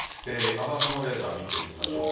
雨雲レーダー見てみましょう。